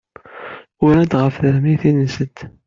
Urant ɣef termitin-nsent.